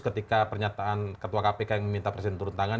ketika pernyataan ketua kpk yang meminta presiden turun tangan